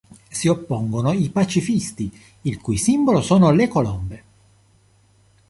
Si oppongono i pacifisti, il cui simbolo sono le colombe.